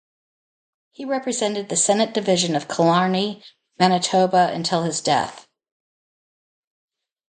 He represented the Senate division of Killarney, Manitoba, until his death.